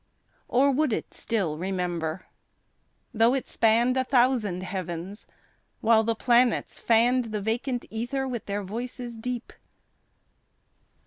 Or would it still remember, tho' it spanned A thousand heavens, while the planets fanned The vacant ether with their voices deep?